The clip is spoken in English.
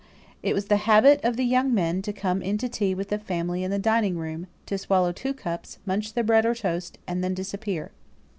It was the habit of the young men to come in to tea with the family in the dining room, to swallow two cups, munch their bread or toast, and then disappear.